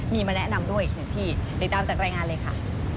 มีมาแนะนำด้วยถึงที่ติดตามจากแรงงานเลยค่ะ